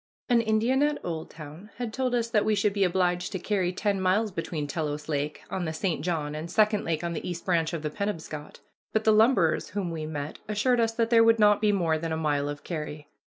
An Indian at Oldtown had told us that we should be obliged to carry ten miles between Telos Lake on the St. John and Second Lake on the East Branch of the Penobscot; but the lumberers whom we met assured us that there would not be more than a mile of carry.